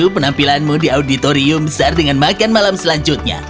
penampilanmu di auditorium besar dengan makan malam selanjutnya